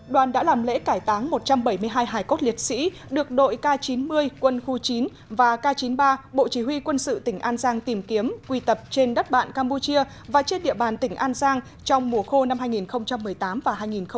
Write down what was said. đoàn đã làm lễ cải táng một trăm bảy mươi hai hải cốt liệt sĩ được đội k chín mươi quân khu chín và k chín mươi ba bộ chỉ huy quân sự tỉnh an giang tìm kiếm quy tập trên đất bạn campuchia và trên địa bàn tỉnh an giang trong mùa khô năm hai nghìn một mươi tám và hai nghìn một mươi chín